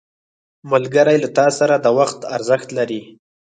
ملګری له تا سره د وخت ارزښت لري